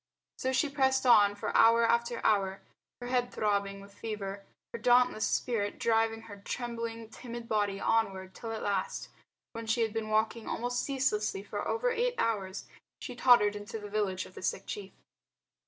So she pressed on for hour after hour, her head throbbing with fever, her dauntless spirit driving her trembling, timid body onward till at last, when she had been walking almost ceaselessly for over eight hours, she tottered into the village of the sick chief.